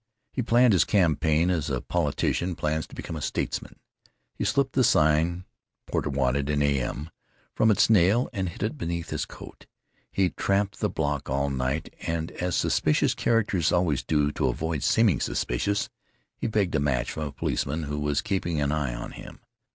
He planned his campaign as a politician plans to become a statesman. He slipped the sign, "Porter wanted in a.m.," from its nail and hid it beneath his coat. He tramped the block all night and, as suspicious characters always do to avoid seeming suspicious, he begged a match from a policeman who was keeping an eye on him.